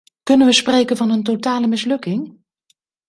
Kunnen we spreken van een totale mislukking?